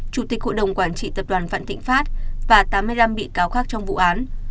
chủ tịch hội đồng quản trị tập đoàn vạn thịnh pháp và tám mươi năm bị cáo khác trong vụ án